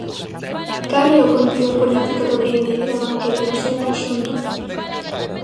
Cal é o contido político do brinde e do Banquete no seu conxunto?